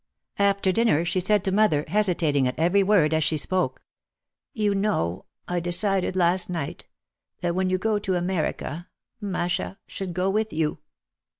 After dinner she said to mother, hesitating at every word as she spoke, "You know, I decided last night, that when you go to America Masha should go with you."